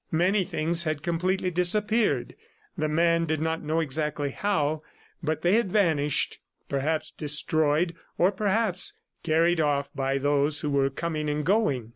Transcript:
Many things had completely disappeared; the man did not know exactly how, but they had vanished perhaps destroyed, or perhaps carried off by those who were coming and going.